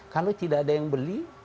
kalau tidak ada yang beli